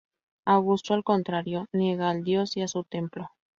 Augusto, al contrario, niega al dios y a su templo.